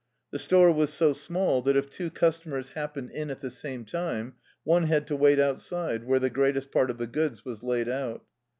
The store was so small that if two customers happened in at the same time one had to wait outside, where the greatest part of the goods was laid out.